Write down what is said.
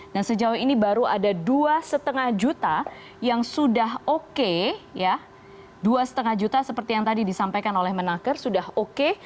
dan sejauh ini baru ada dua lima juta yang sudah oke ya dua lima juta seperti yang tadi disampaikan oleh menaker sudah oke